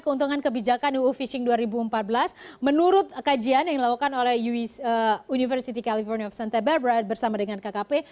keuntungan kebijakan uu fishing dua ribu empat belas menurut kajian yang dilakukan oleh university californi of santai berad bersama dengan kkp